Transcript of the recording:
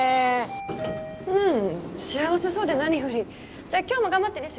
うん幸せそうで何よりじゃあ今日も頑張ってね